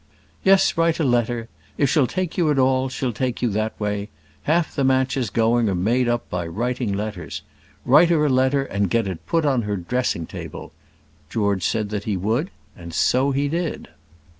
"Yes; write a letter. If she'll take you at all, she'll take you that way; half the matches going are made up by writing letters. Write her a letter and get it put on her dressing table." George said that he would, and so he did.